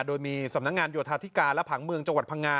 โดยมีสำนักงานโยธาธิการและผังเมืองจังหวัดพังงา